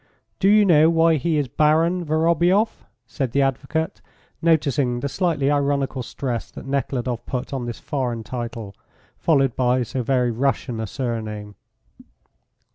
"Do you know why he is Baron Vorobioff?" said the advocate, noticing the slightly ironical stress that Nekhludoff put on this foreign title, followed by so very Russian a surname.